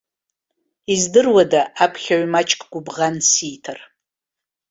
Издыруада, аԥхьаҩ маҷк гәыбӷан сиҭар.